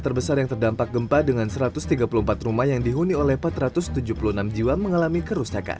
terbesar yang terdampak gempa dengan satu ratus tiga puluh empat rumah yang dihuni oleh empat ratus tujuh puluh enam jiwa mengalami kerusakan